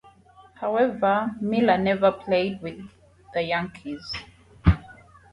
However, Miller never played with the Yankees.